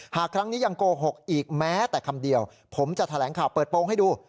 หากครั้งนี้ยังโกหกอีกแม้แต่คำเดียวผมจะแถลงข่าวเปิดโปรงให้ดู